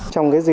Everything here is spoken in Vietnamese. trong cái gì